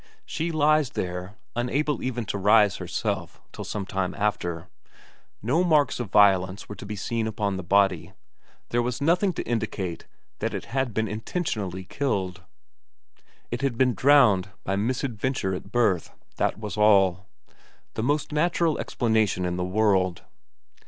She lies there, unable even to rise herself till some time after. No marks of violence were to be seen upon the body; there was nothing to indicate that it had been intentionally killed; it had been drowned by misadventure at birth, that was all. The most natural explanation in the world.